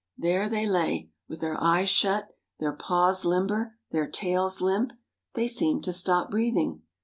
There they lay, with their eyes shut, their paws limber, their tails limp. They seemed to stop breathing.